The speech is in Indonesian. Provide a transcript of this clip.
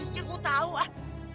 iya gue tau ah